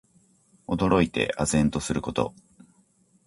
驚いて呆然とすること。